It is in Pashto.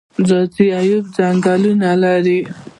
ځاځي اریوب ځنګلونه لري؟